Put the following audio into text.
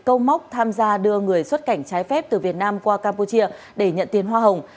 câu móc tham gia đưa người xuất cảnh trái phép từ việt nam qua campuchia để nhận tiền hoa hồng